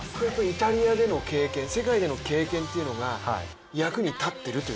イタリアでの経験、世界での経験というのが役に立っているという？